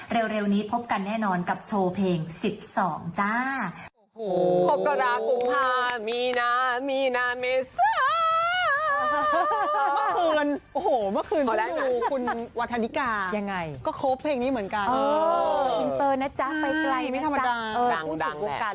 เร็วนี้พบกันแน่นอนกับโชว์เพลง๑๒จ้า